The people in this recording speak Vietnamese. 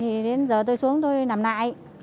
thì đến giờ tôi xuống tôi nằm lại